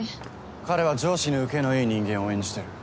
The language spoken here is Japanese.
彼は上司に受けのいい人間を演じてる。